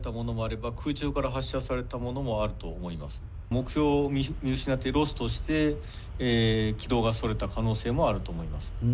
目標を見失ってロストして軌道がそれた可能性もあると思います。